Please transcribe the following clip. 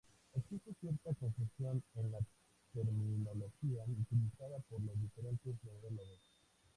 Existe cierta confusión en la terminología utilizada por los diferentes neurólogos.